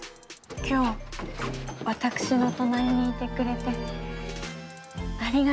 今日私の隣にいてくれてありがとう。